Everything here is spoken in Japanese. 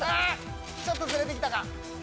ちょっとずれてきたか。